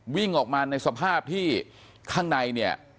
วิ่งออกมาในสภาพที่ข้างในเนี่ย